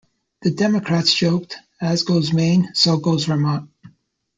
The Democrats joked, As goes Maine, so goes Vermont.